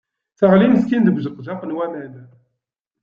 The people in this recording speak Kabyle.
Teɣli meskint deg ujeqjaq n waman.